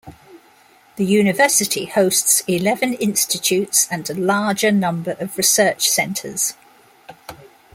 The University hosts eleven institutes and a larger number of research centres.